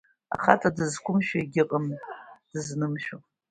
Ахаҵа дызқәымшәо егьыҟам, дызнымшәо…